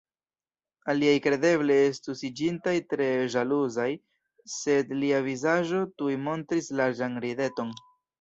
Aliaj kredeble estus iĝintaj tre ĵaluzaj, sed lia vizaĝo tuj montris larĝan rideton.